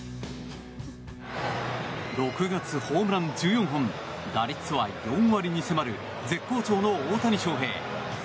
６月ホームラン１４本打率は４割に迫る絶好調の大谷翔平。